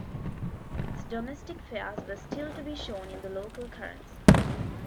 Its domestic fares were still to be shown in the local currency.